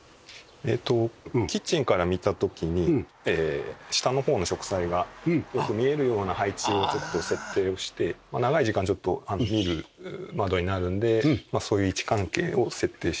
キッチンから見た時に下の方の植栽がよく見えるような配置をちょっと設定をして長い時間見る窓になるのでそういう位置関係を設定して。